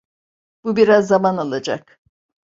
Bu biraz zaman alacak.